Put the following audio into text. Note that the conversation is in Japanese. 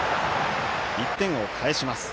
１点を返します。